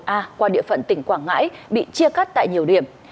a qua địa phận tỉnh quảng ngãi bị chia cắt tại nhiều điểm